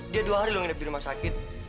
dia dua hari lu nginep di rumah sakit